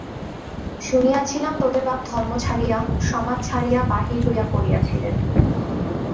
শুনিয়াছিলাম তোদের বাপ ধর্ম ছাড়িয়া, সমাজ ছাড়িয়া বাহির হইয়া পড়িয়াছিলেন।